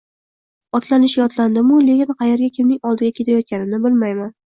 Otlanishga otlandim-u, lekin qayerga, kimning oldiga ketayotganimni bilmayman